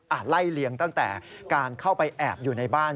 ไล่เลี้ยงตั้งแต่การเข้าไปแอบอยู่ในบ้าน